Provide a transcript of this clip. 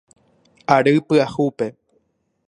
Ary Pyahúpe.